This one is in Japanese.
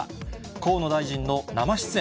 河野大臣の生出演。